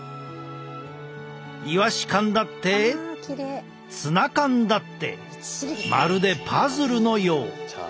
イワシ缶だってツナ缶だってまるでパズルのよう。